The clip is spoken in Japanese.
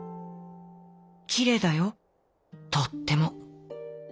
きれいだよとっても。